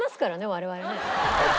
我々ね。